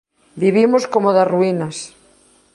Vivimos como das ruínas.